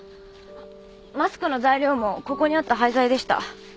マスクの材料もここにあった廃材でした。